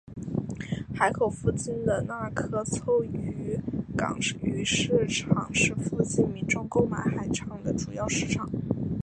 河口附近的那珂凑渔港鱼市场是附近民众购买海产的主要市场。